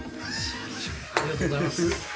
ありがとうございます。